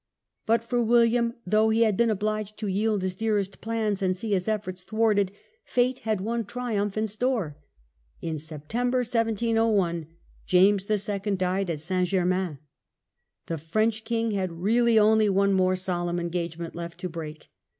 But for William, though he had been obliged to yield his dearest plans and see his efforts thwarted, fate had one triumph in store. In September, 1701, James Louis insults II. died at St. Germains. The French king England, had really only one more solemn engagement left to break.